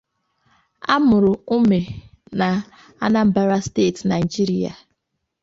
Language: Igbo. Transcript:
Á mụrụ Umeh na Anambra State, Naijiria.